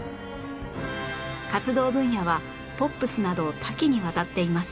活動分野はポップスなど多岐にわたっています